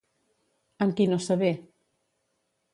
Amb qui no s'avé?